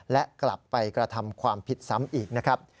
และกลับไปกระทำความผิดซ้ำอีกนะครับ